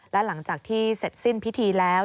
และหลังจากที่เสร็จสิ้นพิธีแล้ว